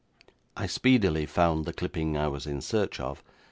I speedily found the clipping I was in search of.